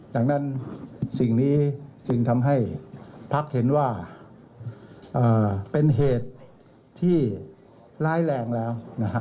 ดังนั้นสิ่งนี้จึงทำให้พักเห็นว่าเป็นเหตุที่ร้ายแรงแล้วนะฮะ